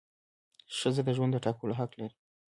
ښځه د ژوند د ټاکلو حق لري.